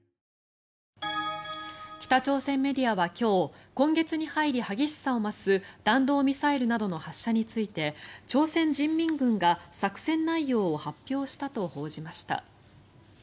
北朝鮮メディアは今日今月に入り激しさを増す弾道ミサイルなどの発射について朝鮮人民軍が作戦内容を発表したと報じました。